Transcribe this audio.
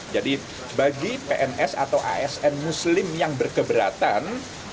jadi bagi pns atau asn muslim yang berkeberatan